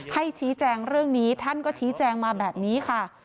ให้ชี้แจงเรื่องนี้ท่านก็ชี้แจงมาแบบนี้ค่ะ